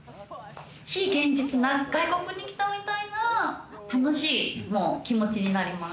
非現実、外国に来たみたいな、楽しい気持ちになります。